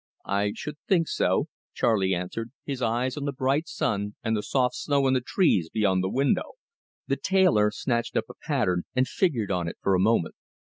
"I should think so," Charley answered, his eyes on the bright sun and the soft snow on the trees beyond the window. The tailor snatched up a pattern and figured on it for a moment.